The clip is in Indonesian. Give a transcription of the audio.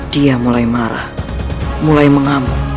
dia mulai marah mulai mengamuk